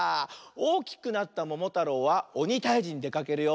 おおきくなったももたろうはおにたいじにでかけるよ。